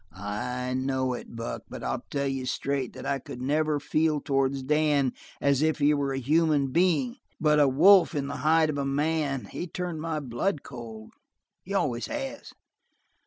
"I know it, Buck. But I'll tell you straight that I could never feel towards Dan as if he were a human being, but a wolf in the hide of a man. He turned my blood cold; he always has."